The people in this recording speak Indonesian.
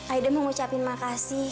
aida mau mengucapkan makasih